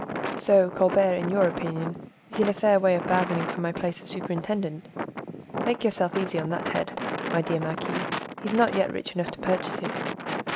"So, Colbert, in your opinion, is in a fair way of bargaining for my place of superintendent. Make yourself easy on that head, my dear marquise; he is not yet rich enough to purchase it."